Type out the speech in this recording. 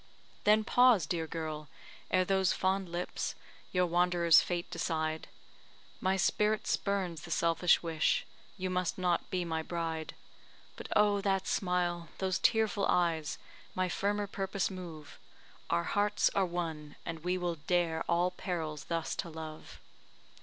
Then pause, dear girl! ere those fond lips Your wanderer's fate decide; My spirit spurns the selfish wish You must not be my bride. But oh, that smile those tearful eyes, My firmer purpose move Our hearts are one, and we will dare All perils thus to love!